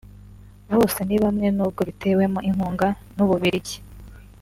Bosenibamwe nubwo bitewemo inkunga n’u Bubiligi